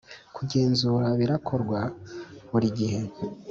kugenzura birakorwa burigihe.